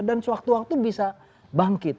sewaktu waktu bisa bangkit